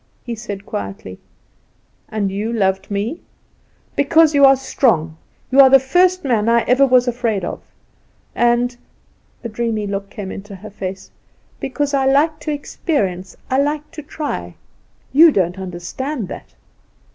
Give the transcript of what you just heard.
He said, quietly: "And you loved me " "Because you are strong. You are the first man I ever was afraid of. And" a dreamy look came into her face "because I like to experience, I like to try. You don't understand that."